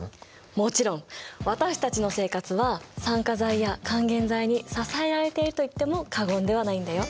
もちろん！私たちの生活は酸化剤や還元剤に支えられているといっても過言ではないんだよ。